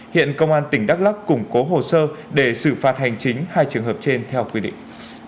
hiện công an tỉnh đắk lắc củng cố hồ sơ để xử phạt hành chính hai trường hợp trên theo quy định